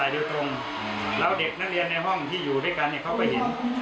โดยตรงแล้วเด็กนักเรียนในห้องที่อยู่ด้วยกันเขาก็เห็น